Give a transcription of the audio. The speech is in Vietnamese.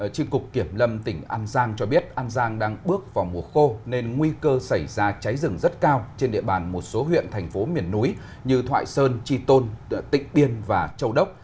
trên cục kiểm lâm tỉnh an giang cho biết an giang đang bước vào mùa khô nên nguy cơ xảy ra cháy rừng rất cao trên địa bàn một số huyện thành phố miền núi như thoại sơn tri tôn tịnh biên và châu đốc